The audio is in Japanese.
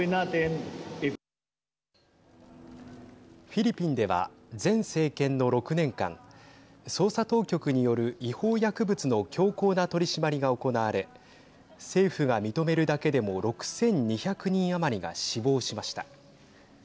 フィリピンでは前政権の６年間捜査当局による違法薬物の強硬な取締りが行われ政府が認めるだけでも６２００人余りが死亡しました。